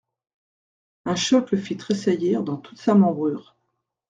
Un choc le fit tressaillir dans toute sa membrure.